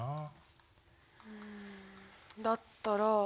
うんだったら。